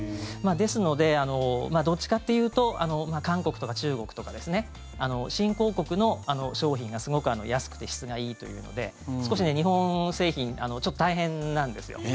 ですので、どっちかっていうと韓国とか中国とか新興国の商品がすごく安くて質がいいというので少し、日本製品ちょっと大変なんですよ。